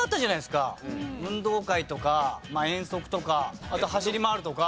運動会とか遠足とかあと走り回るとか。